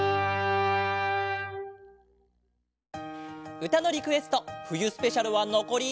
「うたのリクエストふゆスペシャル」はのこり。